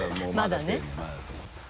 まだね。